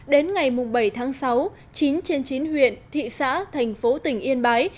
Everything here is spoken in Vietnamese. đến ngày bảy tháng sáu chín trên chín huyện thị xã thành phố tỉnh yên bái